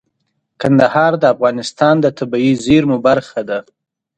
کندهار د افغانستان د طبیعي زیرمو برخه ده.